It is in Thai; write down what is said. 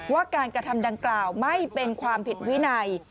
ว่าการกระทำดังกล่าวไม่เป็นความผิดวินัย